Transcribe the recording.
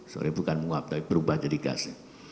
sorry bukan menguap tapi berubah jadi gas